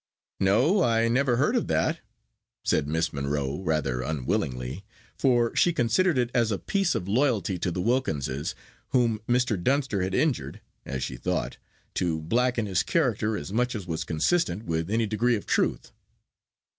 "No; I never heard of that," said Miss Monro, rather unwillingly, for she considered it as a piece of loyalty to the Wilkinses, whom Mr. Dunster had injured (as she thought) to blacken his character as much as was consistent with any degree of truth.